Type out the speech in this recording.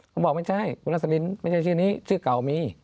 ผมบอกไม่ใช่คุณรัสลินไม่ใช่ชื่อนี้ชื่อเก่ามี